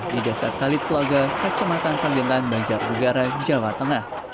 di dasar kalit loga kecamatan pagentan banjar degara jawa tengah